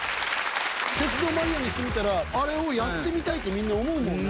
鉄道マニアの人が見たら、あれをやってみたいって、みんな思うもんね。